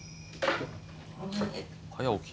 早起き。